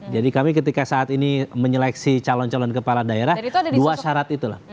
jadi kami ketika saat ini menyeleksi calon calon kepala daerah dua syarat itu lah